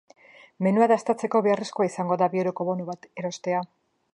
Menua dastatzeko beharrezkoa izango da bi euroko bonu bat erostea.